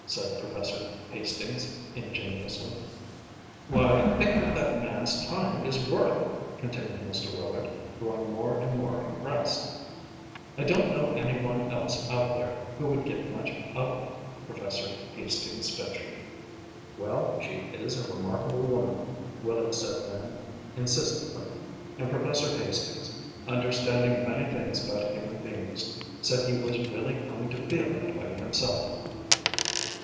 said Professor Hastings ingenuously. "Why, think what that man's time is worth!" continued Mr. Willard, growing more and more impressed. "I don't know any one else out here who would get much of it," Professor Hastings ventured. "Well, she is a remarkable woman," Willard said then, insistently. And Professor Hastings understanding many things about human beings said he was really coming to feel that way himself.